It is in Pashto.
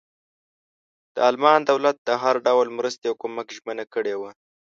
د المان دولت د هر ډول مرستې او کمک ژمنه کړې وه.